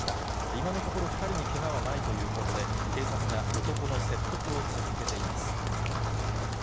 今のところ、２人にけがはないということで、警察が男の説得を続けています。